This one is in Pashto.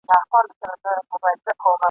نن به زما جنازه اخلي سبا ستا په وینو سور دی ..